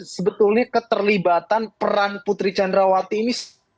sebetulnya keterlibatan peran putri candrawati ini